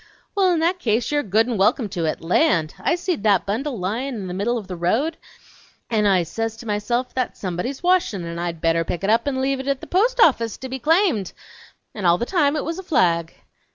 Well, in that case you're good n' welcome to it! Land! I seen that bundle lyin' in the middle o' the road and I says to myself, that's somebody's washin' and I'd better pick it up and leave it at the post office to be claimed; n' all the time it was a flag!"